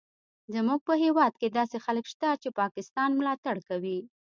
زموږ په هیواد کې داسې خلک شته چې د پاکستان ملاتړ کوي